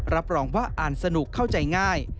รับรองว่าอ่านสนุกเข้าใจง่าย